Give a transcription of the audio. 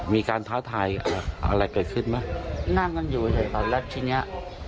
มีการท้าทายอะไรกันขึ้นมั้ยนั่งกันอยู่เฉยครับแล้วทีเนี้ย